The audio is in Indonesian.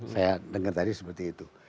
saya dengar tadi seperti itu